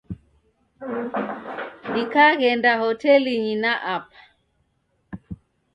Dikaghenda hotelinyi na apa.